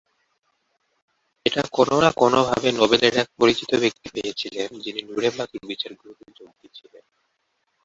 এটা কোনো না কোনোভাবে নোবেলের এক পরিচিত ব্যক্তি পেয়েছিলেন, যিনি নুরেমবার্গের বিচারগুলোতে যোগ দিয়েছিলেন।